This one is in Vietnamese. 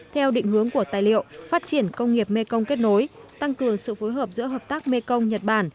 theo định hướng của tài liệu phát triển công nghiệp mekong kết nối tăng cường sự phối hợp giữa hợp tác mekong nhật bản